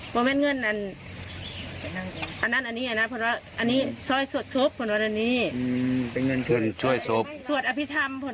บัวแม้นเงินนั้นโชว์สวยศูปฑ่านี้